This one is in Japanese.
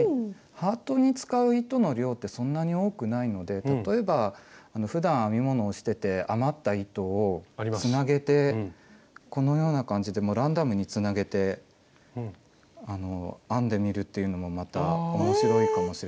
ハートに使う糸の量ってそんなに多くないので例えばふだん編み物をしてて余った糸をつなげてこのような感じでランダムにつなげて編んでみるというのもまた面白いかもしれません。